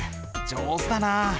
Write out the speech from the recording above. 上手だな。